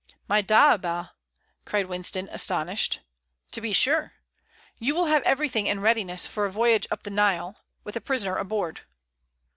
"My dahabeah!" cried Winston, astonished. "To be sure. You will have everything in readiness for a voyage up the Nile, with a prisoner aboard."